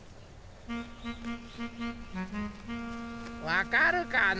わかるかな？